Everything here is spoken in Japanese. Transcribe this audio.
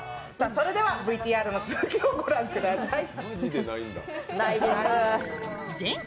それではＶＴＲの続きを御覧ください